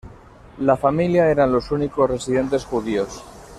La familia eran los únicos residentes judíos.